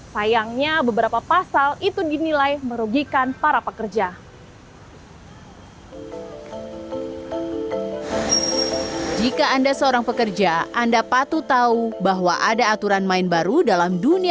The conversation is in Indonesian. sayangnya beberapa pasal itu dinilai merugikan para pekerja